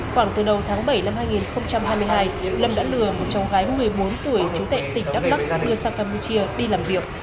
khoảng từ đầu tháng bảy năm hai nghìn hai mươi hai lâm đã lừa một cháu gái một mươi bốn tuổi chú tệ tỉnh đắk lắc đưa sang campuchia đi làm việc